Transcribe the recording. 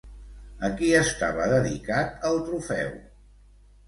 A qui estava dedicat el trofeu?